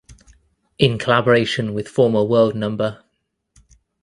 In collaboration with former world no.